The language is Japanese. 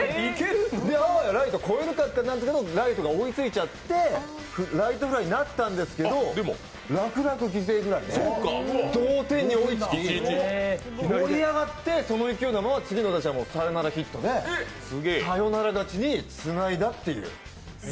あわやライト越えるかってなったけど、ライトが追いついちゃって、ライトフライになったんですけど楽々、犠牲フライで同点に追いついて、盛り上がって、その勢いのまま次の打者もサヨナラヒットでサヨナラ勝ちにつないだっていう。